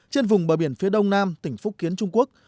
trên vùng bờ biển phía đông nam tỉnh phúc kiến trung quốc